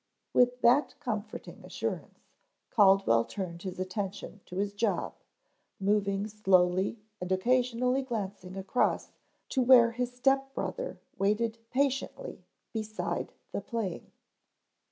With that comforting assurance, Caldwell turned his attention to his job, moving slowly and occasionally glancing across to where his step brother waited patiently beside the plane.